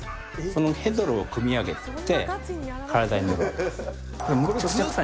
そのヘドロをくみ上げて体に塗る。